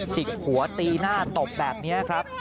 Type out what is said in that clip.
จิกหัวตีหน้าตบแบบนี้ครับ